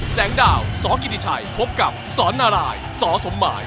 แสงดาวสกิติชัยพบกับสอนนารายสอสมหมาย